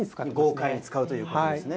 豪快に使うということですね。